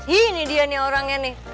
ini dia nih orangnya nih